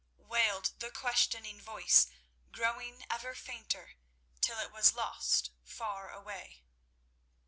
wailed the questioning voice, growing ever fainter, till it was lost far, far away.